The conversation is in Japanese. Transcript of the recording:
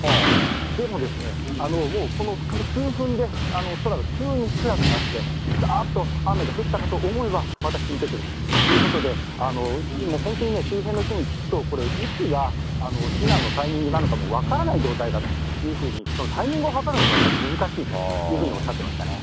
でもですね、もうこの、本当この数分で、空が急に暗くなって、ざーっと雨が降ったかと思えば、また引いてくるということで、本当に周辺の人に聞くと、これ、いつが避難のタイミングなのかも分からない状態だというふうに、タイミングを計るのもまた難しいというふうにおっしゃってましたね。